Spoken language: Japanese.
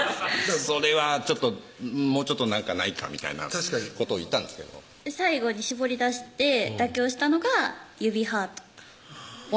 「それはもうちょっと何かないか」みたいなことを言ったんですけど最後に絞り出して妥協したのが指ハート